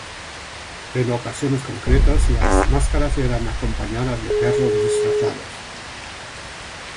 En ocasiones concretas las máscaras eran acompañadas de perros disfrazados.